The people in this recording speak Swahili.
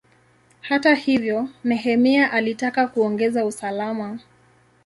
Hata hivyo, Nehemia alitaka kuongeza usalama.